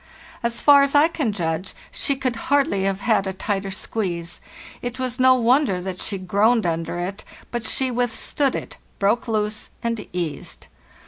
As far as I can judge, she could hardly have had a tighter squeeze ; it was no wonder that she groaned under it; but she withstood it, broke loose, and eased.